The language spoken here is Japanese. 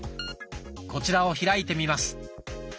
こちらを開いてみます。